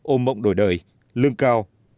ôm mộng đổi đời lương cao